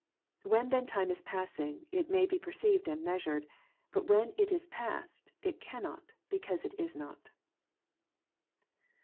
When then time is passing, it may be perceived and measured ; but when it is past, it cannot, because it is not.